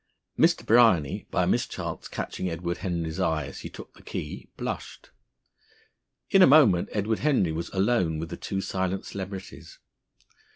Mr. Bryany, by a mischance catching Edward Henry's eye as he took the key, blushed. In a moment Edward Henry was alone with the two silent celebrities.